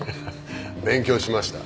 勉強しました。